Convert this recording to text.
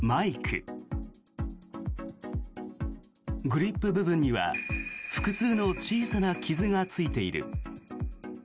グリップ部分には複数の小さな傷がついている。